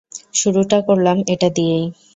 শুরুটা করলাম এটা দিয়েই।